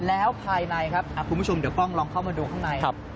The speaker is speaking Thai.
แล้วภายในครับคุณผู้ชมเดี๋ยวกล้องลองเข้ามาดูข้างใน